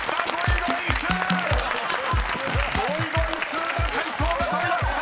［ゴイゴイスーな解答が飛び出した！］